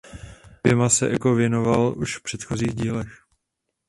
Oběma se Eco věnoval už v předchozích dílech.